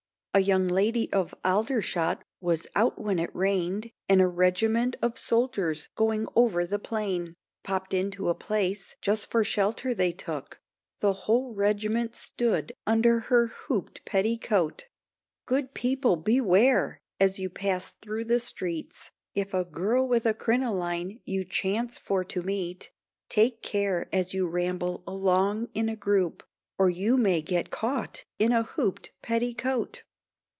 A young lady of Aldershot was when it rained, And a regiment of soldiers going over the plain. Popped into a place, just for shelter they took, The whole regiment stood under her hooped petticoat! Good people, beware! as you pass through the streets, If a girl with a crinoline you chance for to meet, Take care as you ramble along in a group, Or, you may get caught in a hooped petticoat.